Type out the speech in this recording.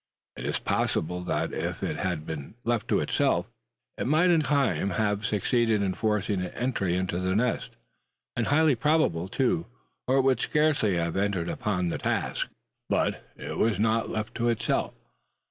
It is possible that if it had been left to itself, it might in time have succeeded in forcing an entrance into the nest, and highly probable too or it would scarcely have entered upon the task. But it was not left to itself.